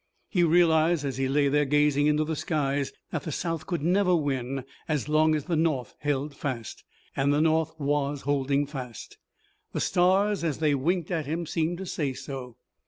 He realized as he lay there gazing into the skies that the South could never win as long as the North held fast. And the North was holding fast. The stars as they winked at him seemed to say so.